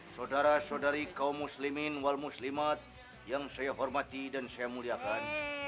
saudara saudari kaum muslimin wal muslimat yang saya hormati dan saya muliakan